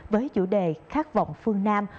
với chủ đề khát vọng phương nam